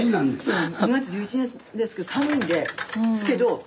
そう。